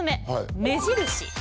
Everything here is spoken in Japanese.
目印？